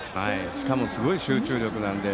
しかも、すごい集中力で。